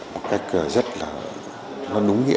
một cách rất là nó núng nghĩa